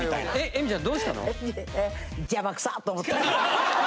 えみちゃんどうしたの？と思って。